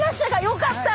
よかった！